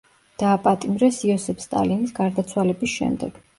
დააპატიმრეს იოსებ სტალინის გარდაცვალების შემდეგ.